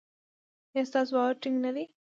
ایا ستاسو باور ټینګ نه دی؟